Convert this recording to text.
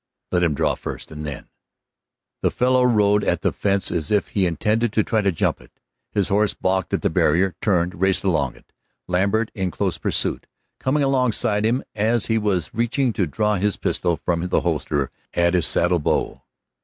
Let him draw first, and then The fellow rode at the fence as if he intended to try to jump it. His horse balked at the barrier, turned, raced along it, Lambert in close pursuit, coming alongside him as he was reaching to draw his pistol from the holster at his saddle bow.